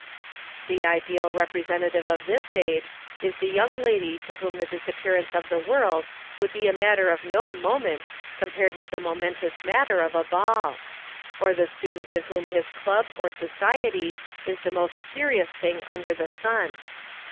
4); The ideal representative of this age is the young lady to whom the disappearance of the world would be a matter of no moment compared 'with the momentous matter of a ball; or the student to whom his club og is the most serious thing under the sun.